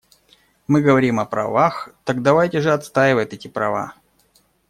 Мы говорим о правах, так давайте же отстаивать эти права.